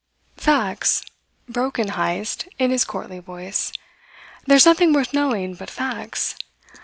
"Facts," broke in Heyst in his courtly voice. "There's nothing worth knowing but facts.